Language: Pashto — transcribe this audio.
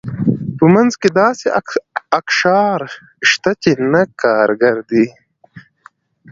په منځ کې داسې اقشار شته چې نه کارګر دي.